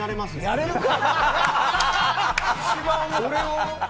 やれるか。